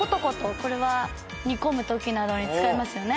これは煮込む時などに使いますよね。